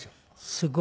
すごい。